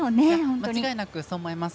間違いなくそう思います。